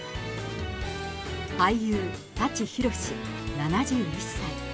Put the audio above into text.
俳優、舘ひろし７１歳。